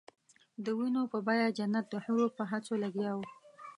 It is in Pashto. د وینو په بیه جنت د حورو په هڅو لګیا وو.